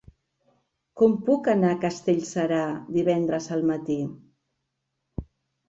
Com puc anar a Castellserà divendres al matí?